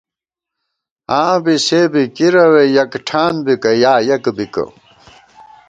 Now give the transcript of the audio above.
آں بی سے بی کِرَوے یَکٹھان بِکہ یا یَک بِکہ